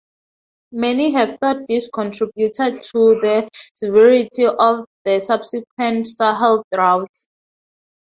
Many have thought this contributed to the severity of the subsequent Sahel droughts.